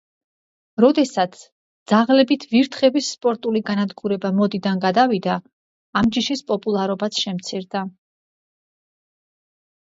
როდესაც ძაღლებით ვირთხების „სპორტული“ განადგურება მოდიდან გადავიდა, ამ ჯიშის პოპულარობაც შემცირდა.